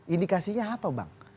indikasinya apa bang